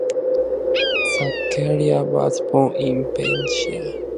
Zaccaria was born in Venice.